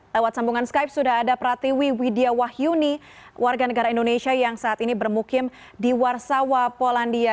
lewat sambungan skype sudah ada pratiwi widya wahyuni warga negara indonesia yang saat ini bermukim di warsawa polandia